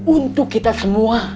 untuk kita semua